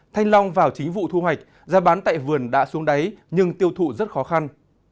thanh long vào chính vụ thu hoạch giá bán tại vườn đã xuống đáy nhưng tiêu thụ rất khó khăn